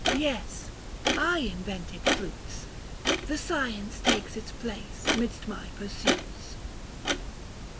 855 Yes, I invented flutes ; The science takes its place midst my pursuits."